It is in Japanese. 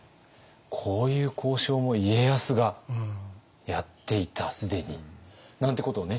こういう交渉も家康がやっていた既に。なんてことをね